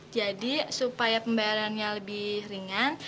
jadi supaya pembayarannya lebih ringan